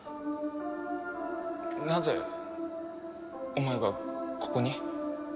なぜお前がここに？